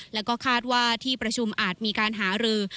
แล้วก็คาดว่าที่ประชุมอาจมีการหารือ